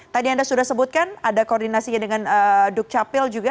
tadi anda sudah sebutkan ada koordinasinya dengan dukcapil juga